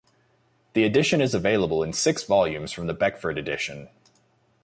The edition is available in six volumes from The Beckford Edition.